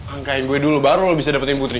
angkain gue dulu baru lo bisa dapetin putri